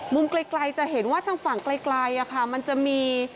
ไกลจะเห็นว่าทางฝั่งไกลมันจะมี